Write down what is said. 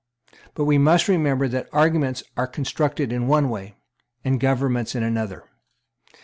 But we must remember that arguments are constructed in one way, and governments in another.